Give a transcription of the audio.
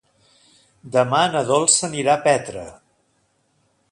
Demà na Dolça anirà a Petra.